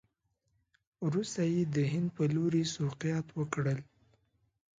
وروسته یې د هند په لوري سوقیات وکړل.